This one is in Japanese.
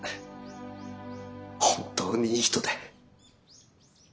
本当にいい人で。